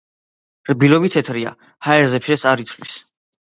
რბილობი თეთრია, ჰაერზე ფერს არ იცვლის.